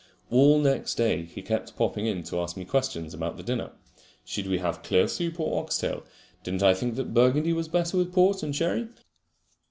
All next day he kept popping in to ask me questions about the dinner. Should we have clear soup or ox tail? Didn't I think that burgundy was better than port and sherry?